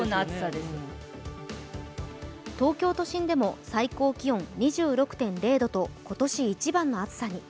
東京都心でも最高気温２６．０度と今年一番の暑さに。